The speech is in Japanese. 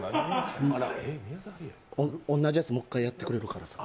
同じやつもう一回やってくれるからさ。